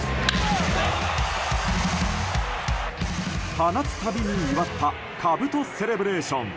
放つたびに祝ったかぶとセレブレーション。